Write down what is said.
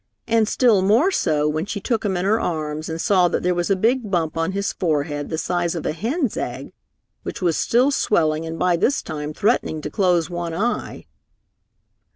And still more so when she took him in her arms and saw that there was a big bump on his forehead the size of a hen's egg, which was still swelling and by this time threatening to close one eye.